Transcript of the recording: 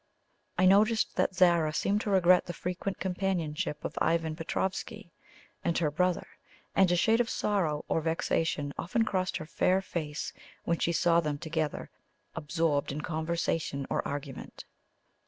I noticed that Zara seemed to regret the frequent companionship of Ivan Petroffsky and her brother, and a shade of sorrow or vexation often crossed her fair face when she saw them together absorbed in conversation or argument.